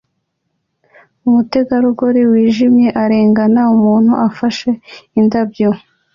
Umutegarugori wijimye arengana umuntu ufashe indabyo